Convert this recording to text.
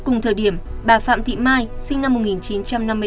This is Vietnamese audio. cùng thời điểm bà phạm thị mai sinh năm một nghìn chín trăm năm mươi bốn